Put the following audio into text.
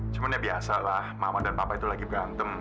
cuman ya biasalah mama dan papa itu lagi berantem